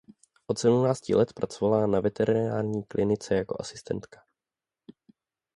Od sedmnácti let pracovala na veterinární klinice jako asistentka.